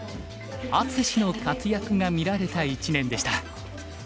「あつし」の活躍が見られた一年でした。